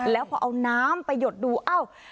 แล้วพอเอาน้ำไปหยดดูเอ้า